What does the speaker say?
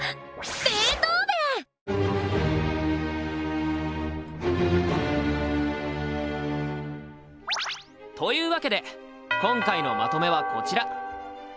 ベートーヴェン！というわけで今回のまとめはこちら！